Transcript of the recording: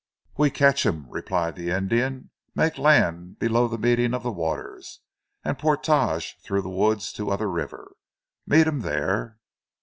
"We catch him," replied the Indian. "Make land below the meeting of the waters, and portage through woods to other river. Meet him there."